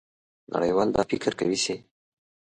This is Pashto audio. نړیوال دا فکر کوي چې